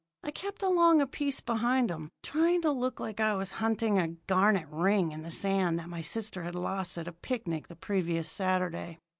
I kept along a piece behind 'em, trying to look like I was hunting a garnet ring in the sand that my sister had lost at a picnic the previous Saturday.